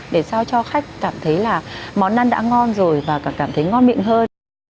để sao cho khách cảm thấy là món ăn đã ngon rồi và cảm thấy ngon miệng hơn